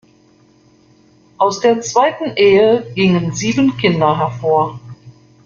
Aus der zweiten Ehe gingen sieben Kinder hervor.